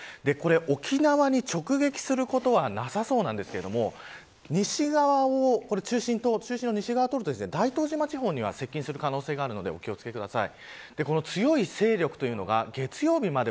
沖縄に直撃することはなさそうなんですけど西側を中心で通ると大東島地方には接近する可能性があるのでお気を付けください。